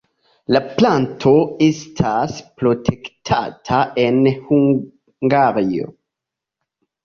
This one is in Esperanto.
La planto estas protektata en Hungario.